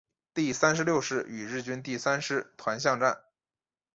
第三十六师与日军第三师团巷战。